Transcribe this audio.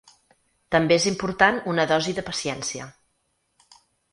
També és important una dosi de paciència.